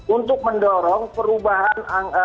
untuk mendorong perubahan